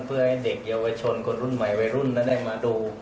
เพื่อให้เด็กเยาวชนคนรุ่นใหม่วัยรุ่นนั้นได้มาดู